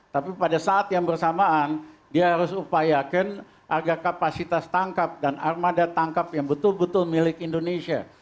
tapi pada saat yang bersamaan dia harus upayakan agar kapasitas tangkap dan armada tangkap yang betul betul milik indonesia